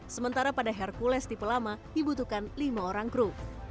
sementara pada hercules tipe lama dibutuhkan lima orang kru